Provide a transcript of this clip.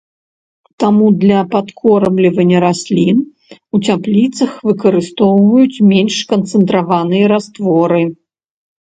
Таму для падкормлівання раслін у цяпліцах выкарыстоўваюць менш канцэнтраваныя растворы.